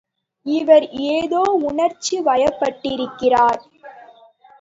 இவர் ஏதோ உணர்ச்சி வயப்பட்டிருக்கிறார்.